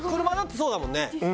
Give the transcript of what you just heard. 車だってそうだもんね。